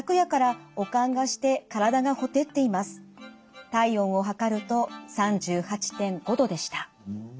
体温を測ると３８．５度でした。